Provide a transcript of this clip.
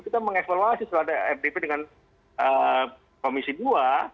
kita mengevaluasi setelah ada sttp dengan komisi dua